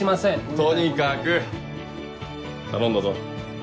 とにかく頼んだぞ。